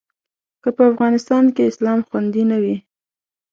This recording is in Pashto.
که په افغانستان کې اسلام خوندي نه وي.